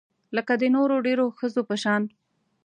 لکه د نورو ډیرو ښځو په شان